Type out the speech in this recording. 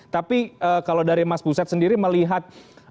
tapi kalau dari mas buset sendiri melihat